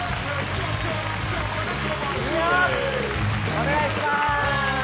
お願いします。